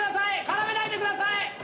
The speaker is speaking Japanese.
絡めないでください！